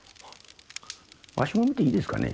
わしも見ていいですかね？